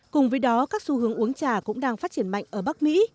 cùng với đó các xu hướng uống trà cũng đang phát triển mạnh ở bắc mỹ